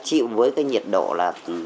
chịu với cái nhiệt độ là một tám trăm linh